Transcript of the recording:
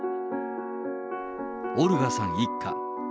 オルガさん一家。